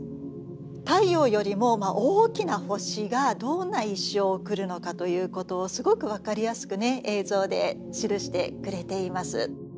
太陽よりも大きな星がどんな一生を送るのかということをすごく分かりやすくね映像で記してくれています。